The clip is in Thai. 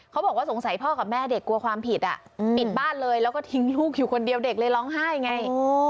เขาบอกว่าสงสัยพ่อกับแม่เด็กกลัวความผิดปิดบ้านเลยแล้วก็ทิ้งลูกอยู่คนเดียวเด็กเลยร้องไห้ไง